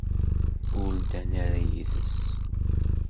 Ur ddan ara yid-s.